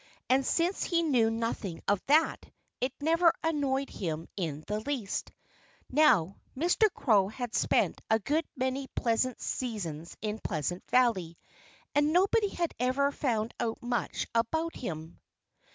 And since he knew nothing of that, it never annoyed him in the least. Now, Mr. Crow had spent a good many pleasant seasons in Pleasant Valley. And nobody had ever found out much about him.